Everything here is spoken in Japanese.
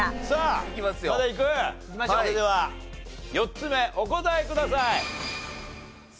それでは４つ目お答えください。